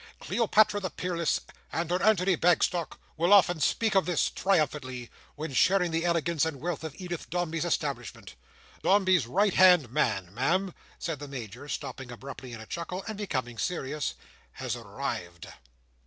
"Cleopatra the peerless, and her Antony Bagstock, will often speak of this, triumphantly, when sharing the elegance and wealth of Edith Dombey's establishment. Dombey's right hand man, Ma'am," said the Major, stopping abruptly in a chuckle, and becoming serious, "has arrived."